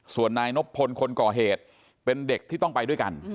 ส่วนนายนบพลคนก่อเหตุเป็นเด็กที่ต้องไปด้วยกัน